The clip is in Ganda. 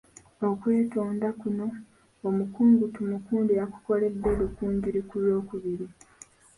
Okwetonda kuno, omukungu Tumukunde, yakukoledde Rukungiri ku Lwokubiri .